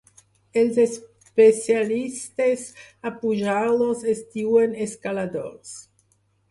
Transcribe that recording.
Els especialistes a pujar-los es diuen escaladors.